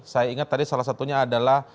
saya ingat tadi salah satunya adalah